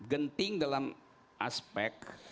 genting dalam aspek